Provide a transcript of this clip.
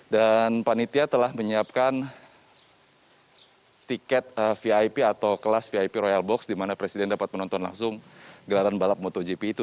dan panitia telah menyiapkan tiket vip atau kelas vip royal box di mana presiden dapat menonton langsung gelaran balap motogp itu